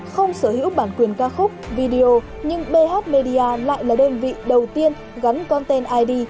không sở hữu bản quyền ca khúc video nhưng bh media lại là đơn vị đầu tiên gắn con tên id